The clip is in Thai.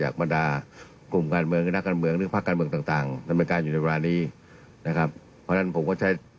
คือผลเอกประยุทธ์